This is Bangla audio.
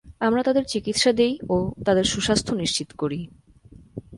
আমরা তাদের চিকিৎসা দেই ও তাদের সুস্বাস্থ্য নিশ্চিত করি।